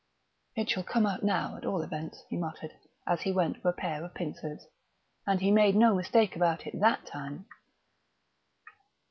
"It shall come out now, at all events," he muttered, as he went for a pair of pincers. And he made no mistake about it that time.